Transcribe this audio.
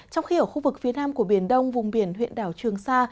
trong khi ở khu vực phía nam của biển đông vùng biển huyện đảo trường sa